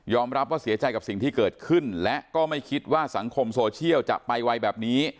รับว่าเสียใจกับสิ่งที่เกิดขึ้นและก็ไม่คิดว่าสังคมโซเชียลจะไปไวแบบนี้